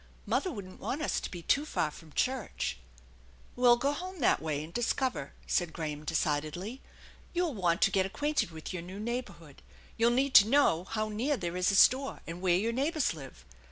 Mother wouldn't want us to be too far from church/' " We'll go home that way and discover/' said Graham decidedly. " You'll want to get acquainted with your new neighborhood. You'll need to know how near there is a store, and where your neighbors live.